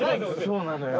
そうなのよ。